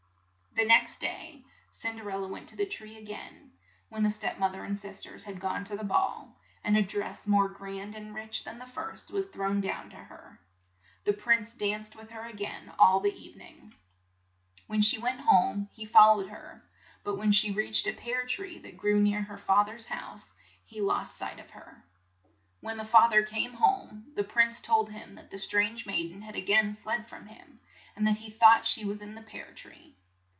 The next day, Cin der el la went to the tree a gain, when the step moth er and sis ters had gone to the ball, and a dress more grand and rich than the first was thrown down to her. The prince danced with her a gain all the eve ning. When 102 CINDERELLA THERE LAY CINDERELLA IN HER DIRTY FROCK. she went home, he fol lowed her, but when she reached a pear tree that grew near her fa ther's house, he lost sight of her. When the fa ther came home, the prince told him that the strange maid en had a gain fled from him, and that he thought she was in the pear tree.